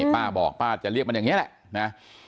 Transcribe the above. ป้าบอกป้าจะเรียกมันอย่างนี้แหละนะ